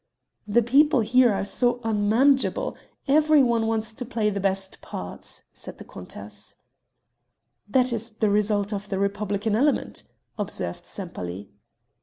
"The people here are so unmanageable; every one wants to play the best parts," said the countess. "That is the result of the republican element," observed Sempaly.